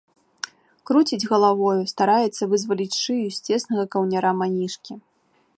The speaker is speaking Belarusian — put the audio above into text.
Круціць галавою, стараецца вызваліць шыю з цеснага каўняра манішкі.